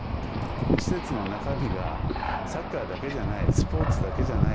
施設の中身はサッカーだけじゃないスポーツだけじゃない。